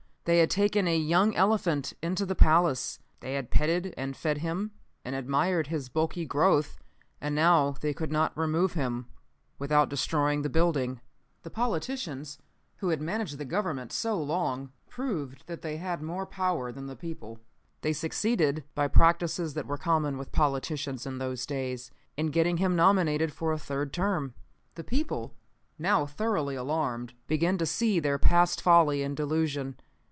They had taken a young elephant into the palace. They had petted and fed him and admired his bulky growth, and now they could not remove him without destroying the building. "The politicians who had managed the Government so long, proved that they had more power than the people They succeeded, by practices that were common with politicians in those days, in getting him nominated for a third term. The people, now thoroughly alarmed, began to see their past folly and delusion.